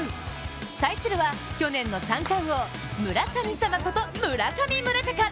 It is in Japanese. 対するは、去年の三冠王村神様こと、村上宗隆。